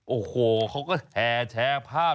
โอ้โหเขาก็แห่แชร์ภาพ